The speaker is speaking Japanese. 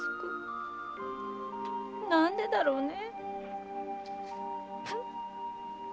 何でだろうね？